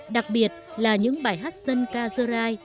đặc biệt là những bài hát dân ca sơ rai